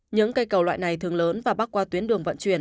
những cây cầu loại này thường lớn và bắc qua tuyến đường vận chuyển